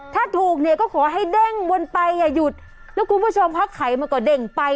ถ้าถูกเนี่ยก็ขอให้เด้งวนไปอย่าหยุดแล้วคุณผู้ชมพักไขมันก็เด้งไป